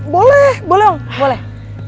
boleh boleh om boleh